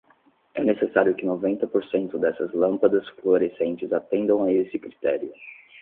É necessário que noventa por cento dessas lâmpadas fluorescentes atendam a esse critério.